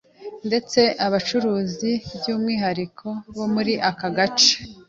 ndetse n’abacuruzi by’umwihariko bo muri aka gace